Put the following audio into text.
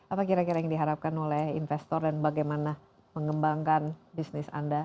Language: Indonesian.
apa kira kira yang diharapkan oleh investor dan bagaimana mengembangkan bisnis anda